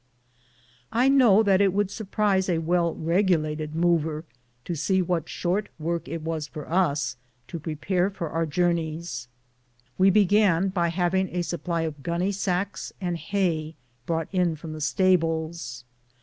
I know that it would surprise a well regulated mover to see what short work it was for us to prepare for our journeys. We began by having a supply of gunny sacks and hay brought in from the stables.